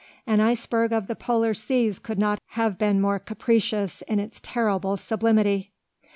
An iceberg of the Polar seas could not have been more capricious in its terrible sublimity!